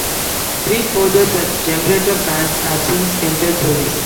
Three further such generator vans have since entered service.